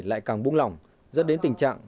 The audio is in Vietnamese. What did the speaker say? đang bung lỏng rất đến tình trạng